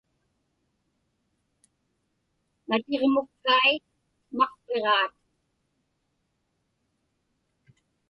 Natiġmukkai maqpiġaat.